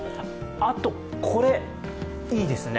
あと、これいいですね。